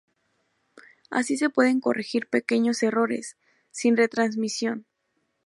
Así se pueden corregir pequeños errores, sin retransmisión.